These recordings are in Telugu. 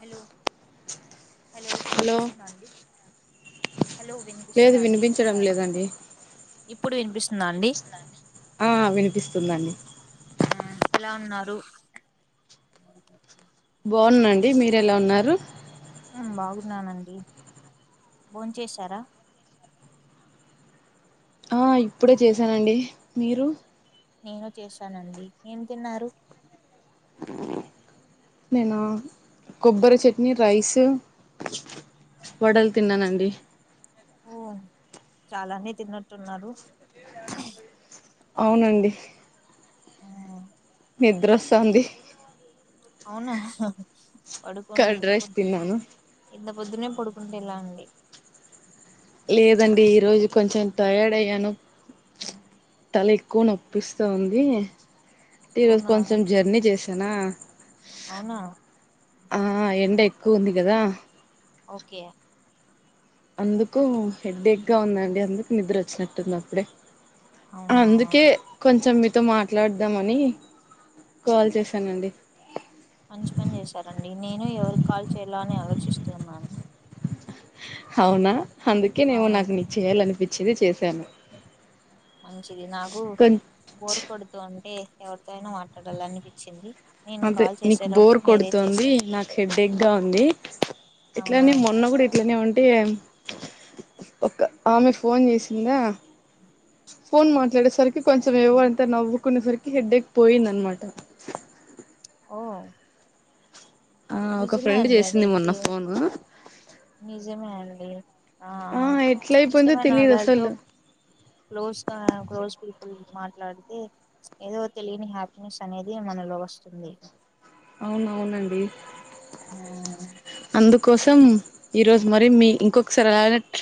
హలో హలో వినిపిస్తుందా అండి హలో లేదు వినిపిస్తుందా అండి వినిపించడం లేదండి ఇప్పుడు వినిపిస్తుంద అండి ఆ వినిపిస్తుందండి ఎలా ఉన్నారు బాగున్నండి మీరెలా ఉన్నారు న్నానండి భోన్ చేశారా ఆ ఇప్పుడే చేసానండి మీరు నేను చేశానండి ఏం తిన్నారు నేనా కొబ్బరి చట్నీ రైసు వడల్ తిన్నానండి ఓ చాలానే తిన్నట్టున్నారు అవునండి ఉ నిద్రొస్తంది అవునా హ్హ హ్హ కర్డ్ రైస్ తిన్నాను పొద్దున్నే పడుకుంటే ఎలా అండి లేదండి ఈ రోజు కొంచెం టయార్డ్ అయ్యాను తల ఎక్కువ నొప్పిస్తోంది ఈరోజ్ అవునా కొంచెం జర్నీ చేసానా అవునా కూంది కదా ఓకే అందుకు హెడ్డెగ్ గా ఉందండి అందుకు నిద్రోచ్చినట్టుంది అప్పుడే అవునా అందుకే కొంచెం ఇట్ తో మాట్లాడ్దామని కాల్ చేశానండి మంచి పని చేశారండి నేను ఎవరిక్ కాల్ చేయాలా అని ఆలోచిస్తున్నాను అవునా అందుకేనేమో నాకు అవునండి నీకు చేయ్యాలనిపిచ్చింది చేశాను మంచిది నాకు కొం బోరు కొడుతూ ఉంటే ఎవరితో అయినా మాట్లాడాలనిపిచ్చింది అదే నీకు బోర్ కొడుతుంది నాకు హెడ్డెక్ గా ఉంది అవునా ఇట్లనే మొన్న గూడా ఇట్లనే ఉంటే ఒక ఆమె ఫోన్ జేసిందా ఫోన్ మాట్లాడేసరికి కొంచెం ఎవ్వంత నవ్వుకునేసరికి హెడ్డేక్ పోయిందన్మాట ద ఓ ఆ ఒక నిజమే ఫ్రెండ్ అండి చేసింది మొన్న అదయితే ఫోను నిజమే అండి ఆ ఎట్ల అయిపోయిందో తెలియదు ఇష్టమైనోళ్ళతో అసలు క్లోజ్గా క్లోజ్ పీపుల్ మాట్లాడితే ఏదో తెలియని హ్యాపీనెస్ అనేది మనలో స్తుంది అవునవునండి ఉ కోసం ఈరోజు మరి మీ ఇంకొకసారి అలనట్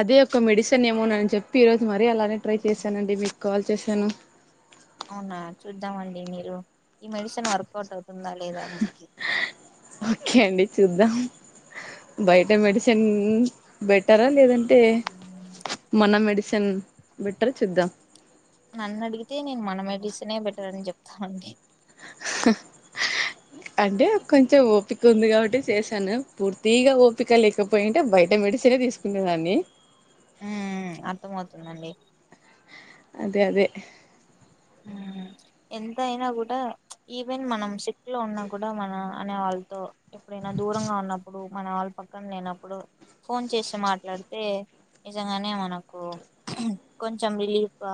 అదే ఒక మెడిసిన్ ఏమో నని చెప్పి ఈరోజు మరీ అలాగ్ నేన్ ట్రై చేశానండి మీకు కాల్ చేశాను అవునా చూద్దామండి మీరు ఈ మెడిసిన్ వర్కౌట్ అవుత్ ఉంద లేదా మనికి ఓకే అండి చూద్దాం బయట మెడిసిన్ బెటరా లేదంట్ ఏ మన మెడిసిన్ బెట్టర్ ఆ చూద్దాం నన్నడిగితే నేను మన మెడిసినే బెటర్ అని చెప్తానండి [unintelligible] అంటే కొంచెం ఓపిక ఉంది కాబట్టి చేశాను పూర్తిగా ఓపిక లేకపోయింటే బయట మెడిసినే తీసుకునేదాన్ని ఉమ్, అర్థమవుతుందండి అదే అదే మ్మ్ [unintelligible] ఎంత అయినా కూడా ఈవెన్ మనం సిక్ లో ఉన్నా కూడా మన అనే వాళ్ళతో ఎప్పుడైనా దూరంగా ఉన్నప్పుడు మన వాళ్ పక్కన లేనప్పుడు ఫోన్ చేసి మాట్లాడితే నిజంగానే మనకు కొంచెం రిలీఫ్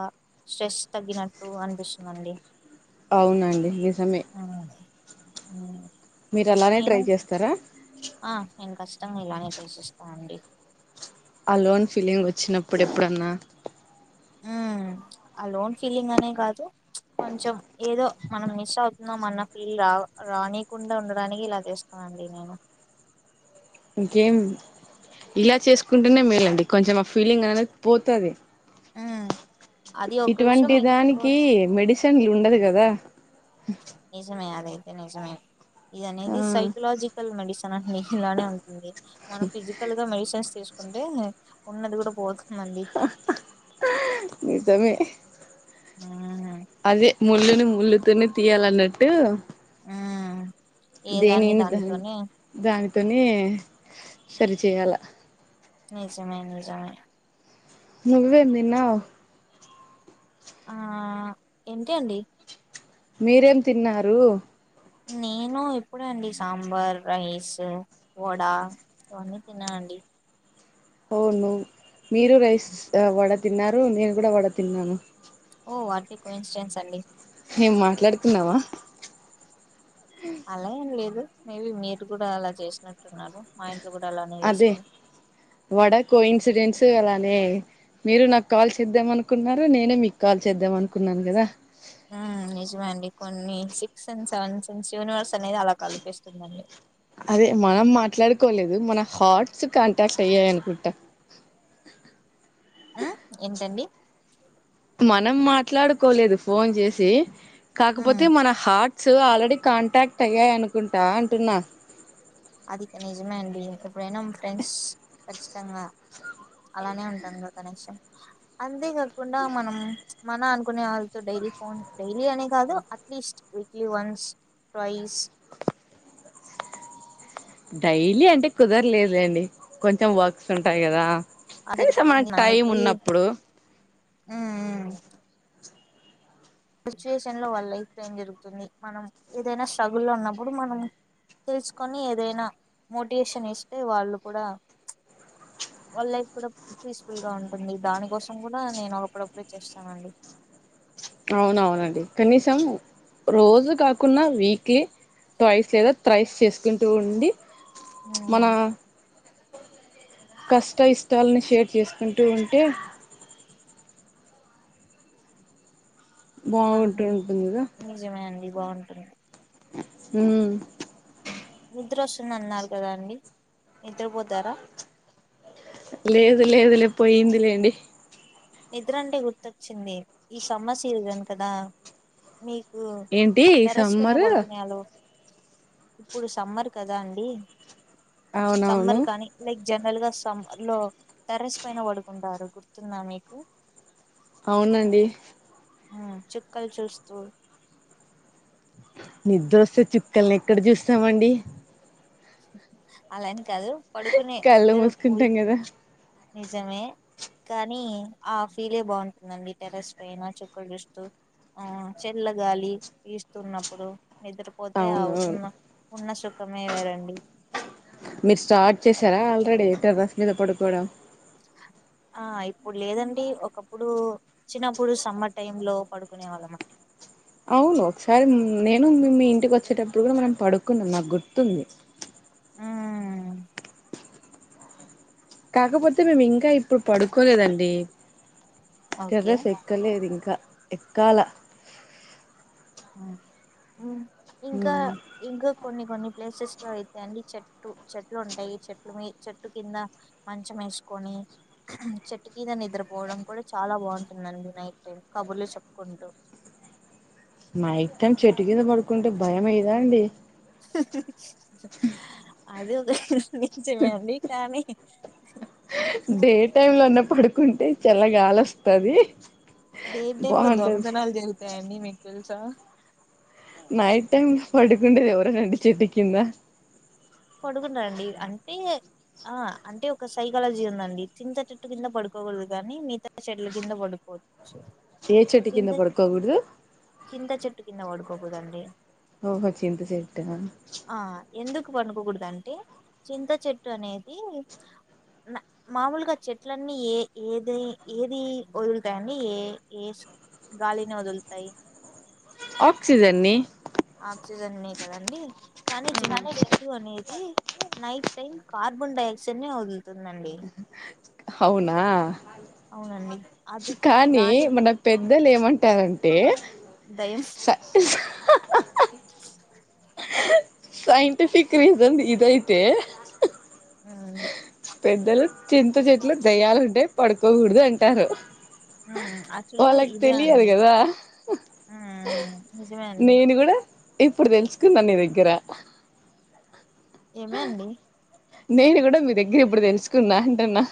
స్ట్రెస్ తగ్గిన టూ అనిపిస్తుందండి అవునండి నిజమే అ మీరు అలానే ట్రై చేస్తారా ఆ నేను కష్టంగా ఇలానే చూసిస్తానండి అలోన్ ఫీలింగ్ వచ్చినప్పుడు ఎప్పుడన్నా అలోన్ ఫీలింగ్ అనే కాదు కొంచెం ఏదో మనం మిస్ అవుతున్నాం అన్న ఫీల్ రా రానీకుండా ఉండడానికి ఇలా చేస్తున్నాం నంీ నేను [unintelligible] ఇంకేం ఇలా చేసుకుంటేనే మేలండి కొంచెం ఆ ఫీలింగ్ అనేది పోతది మ్మ్ అది ఒక విషయం ఇటువంటి దానికి ఇంకోటి మెడిసిన్లు ఉండదు కదా నిజమే అదైతే నిజమే ఇది ఆ అనేది సైకలాజికల్ మెడిసి మిషిన్లానే ఉంటుంది మనం ఫిజికల్ గా మెడిసిన్స్ తీసుకుంటే ఉన్నది కూడా పో నిజమే మ్మ్ అదే ముళ్ళుని ముళ్ళుతోనే తీయాలన్నట్టు మ్మ్ ఏదాన్ని దేనిమి దా దానితోనే దానితోనే సరిచేయాల నిజమే నిజమే నువ్వ ఎందిన్నా [unintelligible] ఆ ఏంటి అండి మీరేం తిన్నారు నేను ఎప్పుడండి సాంబార్ రైస్ వడా చోన్న [unintelligible] తిన్న అండి అవును మీరు రైస్ వడ తిన్నారు నేను కూడా వడ తిన్నాను ఓ వాట్ఏ కో ఇన్స్డెన్స్ అండి మాట్లాడుతున్నావా అలా ఏం లేదు మేబీ మీరు కూడా అలా చేసినట్టున్నారు మా ఇ అదే వడ కో ఇన్సిడెంట్స్ అలానే మీరు నాకు కాల్ చేద్దాం అనుకున్నారు నేనే మీకు కాల్ చేద్దాం అనుకున్నాను కదా నిజమే అండి కొన్ని సిక్స్ అండ్ సెవెన్స్ యూనివర్స్ అనేది అలా కల్పిస్తుందండి అదే మనం మాట్లాడుకోలేదు మన హాట్స్ కాంటాక్ట్ అయ్యాయి అనుకుంటా ఆ ఏంటండి మనం మాట్లాడుకోలేదు ఫోన్ చేసి కాకపోతే ఉమ్ మన హార్ట్ సో ఆల్రెడీ కాంటాక్ట్ అయ్యాయి అనుకుంటా అంటున్నా అది నిజమే అండి ఎప్పుడైనా ఫ్రెండ్స్ కచ్చితంగా అలానే ఉంటాంది మన కనెక్షన్ అంతే కాకుండా మనం మన అనుకునే వాళ్ళతో డైలీ ఫోన్ డైలీ అనే కాదు అట్లీస్ట్ వీక్లీ వన్స్ ప్రైస్ డైలీ అంటే కుదరలేదులేండి కొంచెం వర్క్స్ ఉంటాయి కదా అలా కనీసం ఆ జరుగుతుంది మనం టైం ఉన్నప్పుడు, సిచ్యువేషన్ లో వాళ్ళ లైఫ్ లో ఏం జరుగుతుంది, మనం ఏదైనా స్ట్రగుల్లో లో ఉన్నప్పుడు మనం తెలుసుకొని ఏదైనా మోటివేషన్ ఇస్తే వాళ్ళు కూడా [unintelligible] వాళ్ళ లైఫ్ కూడా పీస్ఫుల్ గా ఉంటుంది, దాని కోసం కూడా నేను ఒకప్పుటిప్పుడే చేస్తానండి అవునవునండి కనీసం రోజు కాకుడా వీక్ ట్రయిస్ లేదా త్రైస్ చేసుకుంటూ ఉండి మన కష్ట ఇష్టాలను షేర్ చేసుకుంటూ ఉంటే బాగుంటు ఉంటుంది, కదా బాగుంటది, ఉ నిద్ర వస్తుంద అన్నారు కదా అండి నిద్ర పోతారా, లేదు లేదు లే పోయిందిలేండి, నిద్రంటే గుర్తొచ్చింది, ఈ సమ్మర్ సీజన్ కదా మీకు ఏంటి ఈ టెర్రస్ పైన సమ్మరు పడుకునే వాళ్ళు ఇప్పుడు సమ్మర్ కదా అండి అవునవును సమ్మర్ కానీ లైక్ జనరల్ గా సమ్మ లో టెరెస్ పైన పడుకుంటారు గుర్తుందా మీకు అవునండి ఆ చిక్కలు చూస్తూ, నిద్రొస్తే చుక్కల్ని ఎక్కడ చూస్తామండి. అలాని కాదు పడుకునే కళ్ళు నిద్ర పోయి మూసుకుంటాం కదా నిజమే కానీ ఆ ఫీలే బాగుంటుందండ, టెరెస్ పైన చుక్కలు చూస్తూ ఆ చెట్లా గాలి ఇస్తున్నప్పుడు, నిద్రపోతే అవునవును ఉ ఉన్న సుఖమే వేరండి, మీరు స్టార్ట్ చేసారా ఆల్రెడీ టెర్రస్ మీద పడుకోవడం, ఆ ఇప్పుడు లేదండి ఒకప్పుడు చిన్నప్పుడు సమ్మర్ టైమ్ లో పడుకునే వాళ్ళ అండి అవును ఒకసారి నేను మీ ఇంటికి వచ్చేటప్పుడు కూడా మనం పడుకున్నాం నాకు గుర్తుంది. ఉమ్ కాకపోతే మేము ఇంకా ఇప్పుడు పడుకోలేదండి. ఓకే టెర్రస్ ఎక్కలేదు ఇంకా ఎక్కాల ఇంకా ఇంకా కొన్ని కొన్ని ప్లేసెస్ లో అయిత అడి చెట్ చెటు చెట్లు ఉంటాయి చెట్లు మీ చెట్టు కింద మంచం వేసుకొని, చెట్టు కింద నిద్రపోవడం కూడా చాలా బాగుంటుందండి నైట్ టైం కబుర్లు చెప్పుకుంటూ, [unintelligible] నైట్ టైం చెట్టు కింద పడుకుంటే భయం వేయదా అండి, అది నిజమే అండి కానీ డే టైమ్ లో అన్న పడుకుంటే చల్ల గాలి వస్తది. నైట్ టైం లా దొంగతనాలు జరుగుతాయండి మీకు తెలుసా, నైట్ టైమ్ పడుకుంటారా ఎవరనా చెట్టు కిందా, పడుకున్నారండి అంటే ఆ అంటే ఒక సైకాలజీ ఉందండి చింత చెట్టు కింద పడుకోూదు కానీ మిగతా చెట్లు కింద పడుకోవదు ఏ చెట్టు కింద చింత పడుకోకూడదు చింత చెట్టు కింద పడుకోకూదండి, ఓహో చింత చెట్ట ఆ ఎందుకు పండుకకూడదు అంటే చింత చెట్టు అనేది మామూలుగా చెట్లన్నీ ఏ ఏది ఏది వదులుతాయండి ఏ ఏ గాలిని వదులుతాయి. ఆక్సిజెన్ ని ఆక్సిజన్ కదండి కానీ చింత చెట్టు అనేది, నైట్ టైం కార్బన్ డైఆక్సైడ్ ని వదులుతుందండి, అవునా అవునండి అది కానీ దాని మనకు పెద్ద ద్దలు ఏమంటారంటే దయం ష సైంటిఫిక్ రీసన్ ఇదైతే ఊమ్ పెద్దలు చింత చెట్టులో దయ్యాలు ఉంటాయి పడుకోకూడదు అంటారు ఉమ్ యాక్చువల్ గా వాళ్ళకి ఇదే తెలియదు అండి కదా ఉమ్ నిజమే అండి నేను కూడా ఇప్పుడు తెలుసుకున్నా నీ దగ్గర ఏమి అండి నేను కూడా మీ దగ్గర ఇప్పుడు తెలుసుకున్నా అంటున్నా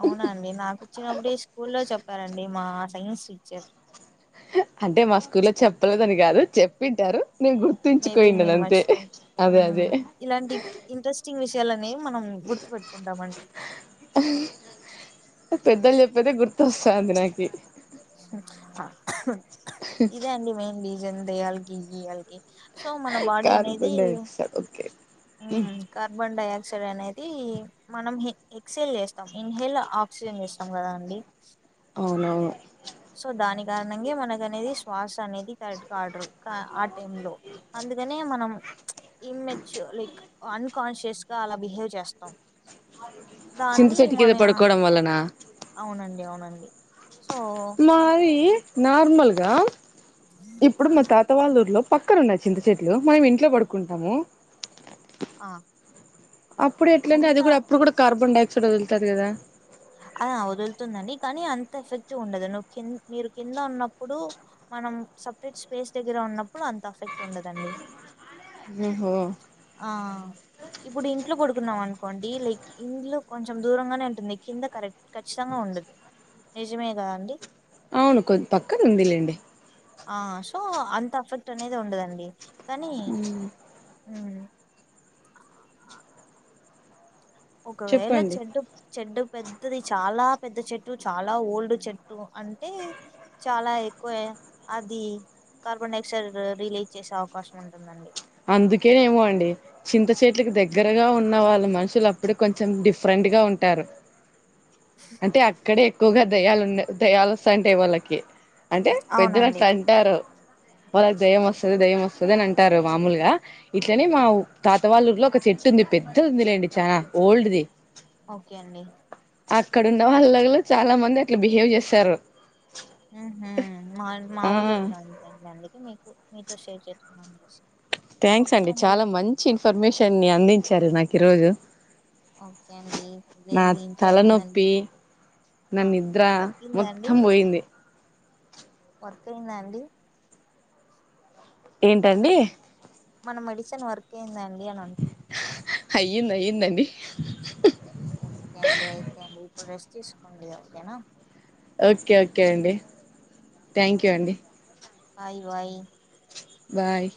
అవునండి నాకు వచ్చినప్పుడ స్కూల్లో చెప్పారండి మా సైన్స్ టీచర్ అంటే మా స్కూల్ లో చెప్పలేదని కాదు చెప్పింటారు నేను మేబీ గుర్తుంచుకోయిన్నాను నేను అంతే మర్చిపోయి అదే ఉమ్ అదే ఇలాంటి ఇంట్రెస్టింగ్ విషయాలనే మనం గుర్తు పెట్టుకుంటామండి పెద్దలు చెప్పేదే గుర్తొస్తుంది నాకి ఇదే అండి మెయిన్ రీజన్ దేయాలకి గియాలకి సో మన బాడీ అనేది కార్బన్ డైఆక్సైడ్ ఓకే హ్మ్ కార్బన్ డై ఆక్సిడె అనేది మనం ఎక్సేల్ చేస్తాం ఇన్హేల్ ఆక్సిజన్ చేస్తాం కదా అండి అవునవును సో దాని కారణంగా మనకు అనేది శ్వాస అనేది కరెడ్ కడర్ ఆ టై లో అందుకనే మనం ప్చ్ ఇన్ మెట్యూర్ లైక్ అన్కాన్షియస్ గా అలా బిహేవ్ చేస్తాం చింత దాన్ని చెట్టి కింద మన పడుకోవడం వల్లనా అవునండి అవునండి సో నావి నార్మల్గా ఇప్పుడు మా తాతవాళ్ళూర్లో పక్కన ఉన్నా చింత చెట్లు మేము ఇంట్లో పడుకుంటాము ఆ అప్పుడు ఎట్లంటే అది అంత కూడా అప్పుడు కూడా కార్బన్ డైఆక్సైడ్ వదుల్తాది కదా ఆ వదులుతుందండి కానీ అంత ఎఫెక్టివ్ ఉండదు నువ్వు కింద మీరు కింద ఉన్నప్పుడు మన మనం సపరేట్ స్పేస్ దగ్గర ఉన్నప్పుడు అంత ఎఫెక్ట్ ఉండదండి ఓహో ఆ ఇప్పుడు ఇంట్లో పడుకున్నాం అనుకోండి లైక్ ఇండ్లు కొంచెం దూరంగానే ఉంటుంది కింద కరెక్ట్ ఖచ్చితంగా ఉండదు నిజమే గ అండి అవును కొద్ పక్కన ఉందిలేండి ఆ సో అంత అఫెక్ట్ అనేది ఉండదండి కానీ హ్మ్ ఒకవేళ చెప్పండి చెడ చెడూప్ పెద్దది చాలా పెద్ద చెట్టు చాలా ఓల్డ్ చెట్టు అంటే చాలా ఎక్కువే అది కార్బన్ డైఆక్సైడ్ రిలీజ్ చేసే అవకాశం ఉంటుందండి అందుకేనేమో అండి చింత చెట్లకి దగ్గరగా ఉన్న వాళ్ళు మనుషులు అప్పుడే కొంచెం డిఫరెంట్ డుగా ఉంటారు అంటే అక్కడే ఎక్కువగా దెయ్యాలు ఉండ దెయ్యాలు వస్తాంటాయి వాళ్ళకి అంటే అవునండి పెద్దలట్ల అంటారు వాళ్ళకి దెయ్యం వస్తది దెయ్యం వస్తది అని అంటారు మామూలుగా ఇట్లనే మా తాతవాళ్ళ ఇంట్లో ఒక చెట్టు ఉంది పెద్దది ఉందిలేండి చాలా ఓల్డ్ ది ఓకే అండి అక్కడ ఉన్న వాళ్ళలో చాలా మంది అట్లా బిహేవ్ చేస్తారు ఊహు మా మా ఆ ఊర్లో కూడా అంతే అండి అందుకే మీకు అంతా సేఫ్ మంగశ థ్యాంక్స్ అండి చాలా మంచి ఇన్ఫర్మేషన్ని అందించారు నాకు ఈ రోజు ఓకే అండి ఇదేంది ఇంకేముందండి తలనొప్పి నా నిద్ర మొత్తం పోయింది వర్కయ్యింద అండి ఏంటండి మన మెడిసిన్ వర్క్ అయిందండి అని అంట్ హా హా అయ్యంది అయ్యందండి ఓకే అండి అయితే అండి ఇప్పుడు రెస్ట్ తిసుకోండి ఓకేనా ఓకే ఓకే అండి థ్యాంక్ యూ అండి బాయి బాయ్ బాయ్